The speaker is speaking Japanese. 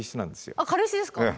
あっ軽石ですか？